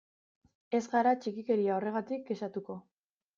Ez gara txikikeria horregatik kexatuko.